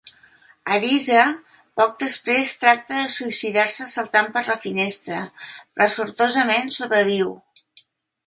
Arisa poc després tracta de suïcidar-se saltant per la finestra, però sortosament sobreviu.